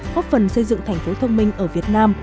góp phần xây dựng thành phố thông minh ở việt nam